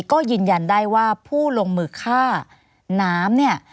ก็ยืนยันได้ว่าผู้ลงมือฆ่าน้ำเนี่ย